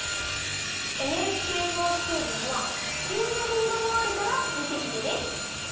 ＮＨＫｆｏｒＳｃｈｏｏｌにはこんなどうがもあるからみてみてね。